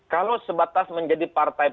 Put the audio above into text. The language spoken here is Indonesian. kalau sebatas menjadi partai